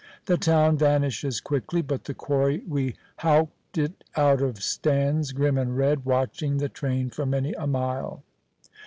The town vanishes quickly, but the quarry we howked it out of stands grim and red, watching the train for many a mile.